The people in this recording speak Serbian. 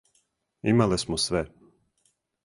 Имале смо све.